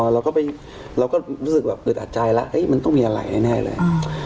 เราก็ไปเราก็รู้สึกแบบอึดอัดใจแล้วมันต้องมีอะไรแน่เลย